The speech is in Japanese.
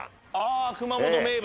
熊本名物。